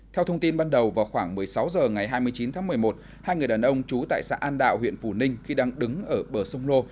theo thông tin ban đầu vào khoảng một mươi sáu h ngày hai mươi chín tháng một mươi một hai người đàn ông trú tại xã an đạo huyện phù ninh khi đang đứng ở bờ sông lô